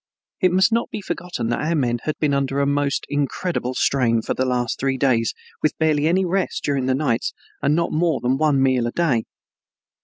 It must not be forgotten that our men had been under a most incredible strain for the last three days with barely any rest during the nights and not more than one meal a day.